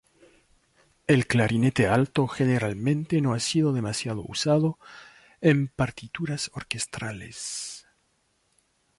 El clarinete alto generalmente no ha sido demasiado usado en partituras orquestales.